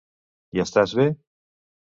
Hi estàs bé?